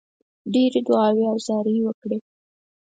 ډېرې دعاوي او زارۍ وکړې.